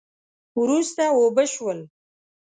وروسته اوبه شول